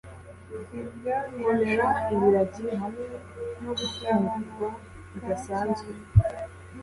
ibyo birashobora kugabanuka cyane -